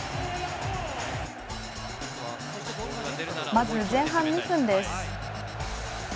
まず、前半２分です。